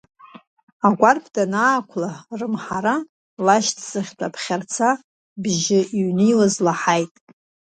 Агәарԥ данаақәла рымҳара лашьцахьтә аԥхьарца бжьы иҩныҩуаз лаҳаит.